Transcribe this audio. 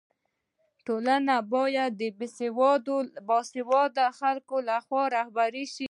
ټولنه باید د باسواده خلکو لخوا رهبري سي.